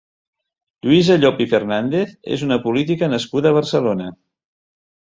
Lluïsa Llop i Fernàndez és una política nascuda a Barcelona.